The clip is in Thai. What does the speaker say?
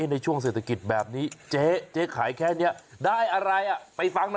ในช่วงเศรษฐกิจแบบนี้เจ๊ขายแค่นี้ได้อะไรไปฟังหน่อย